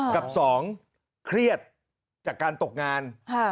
กับ๒เครียดจากการตกงาน